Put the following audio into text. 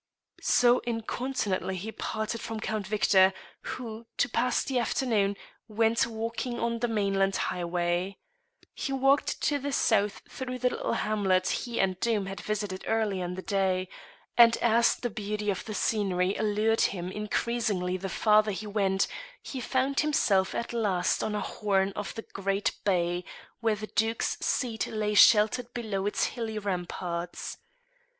So incontinently he parted from Count Victor, who, to pass the afternoon, went walking on the mainland highway. He walked to the south through the little hamlet he and Doom had visited earlier in the day; and as the beauty of the scenery allured him increasingly the farther he went, he found himself at last on a horn of the great bay where the Duke's seat lay sheltered below its hilly ramparts.